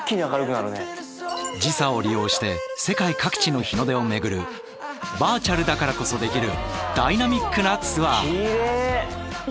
時差を利用して世界各地の日の出を巡るバーチャルだからこそできるダイナミックなツアー！